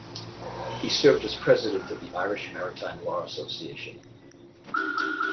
He served as President of the Irish Maritime Law Association.